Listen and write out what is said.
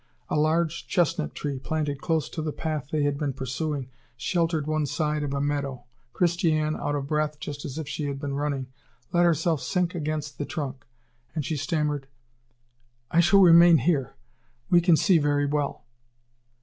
A large chestnut tree, planted close to the path they had been pursuing, sheltered one side of a meadow. Christiane, out of breath just as if she had been running, let herself sink against the trunk. And she stammered: "I shall remain here we can see very well."